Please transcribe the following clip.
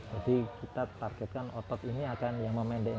jadi kita targetkan otot ini akan memendek